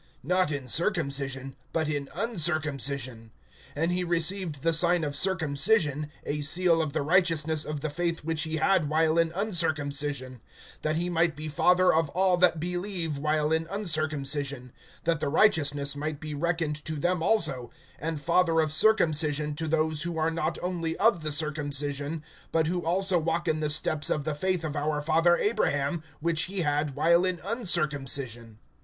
Not in circumcision, but in uncircumcision. (11)And he received the sign of circumcision, a seal of the righteousness of the faith which he had while in uncircumcision; that he might be father of all that believe while in uncircumcision, that the righteousness might be reckoned to them also, (12)and father of circumcision to those who are not only of the circumcision, but who also walk in the steps of the faith of our father Abraham, which he had while in uncircumcision.